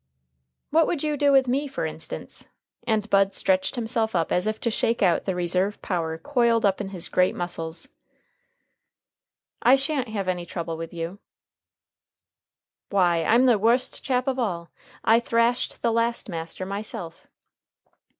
"What would you do with me, for instance?" and Bud stretched himself up as if to shake out the reserve power coiled up in his great muscles. "I sha'n't have any trouble with you." "Why, I'm the wust chap of all. I thrashed the last master, myself."